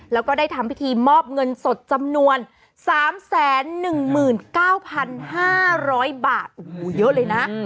แล้วก็ได้ทำพิธีมอบเงินสดจำนวน๓๑๙๕๐๐บาทโอ้โหเยอะเลยนะ